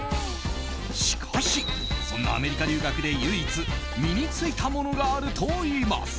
しかし、そんなアメリカ留学で唯一、身に付いたものがあるといいます。